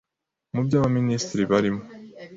Mu byo Abaminisitiri barimo